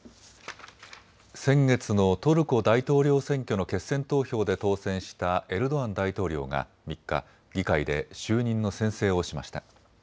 先月のトルコ大統領選挙の決選投票で当選したエルドアン大統領が３日、議会で就任の宣誓をしました。